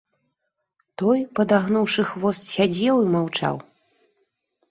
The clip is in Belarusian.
Той, падагнуўшы хвост, сядзеў і маўчаў.